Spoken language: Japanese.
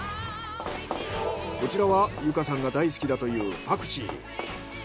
こちらは有加さんが大好きだというパクチー。